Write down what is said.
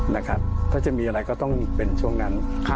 ถ้าจะมีอะไรก็ต้องเป็นช่วงนั้น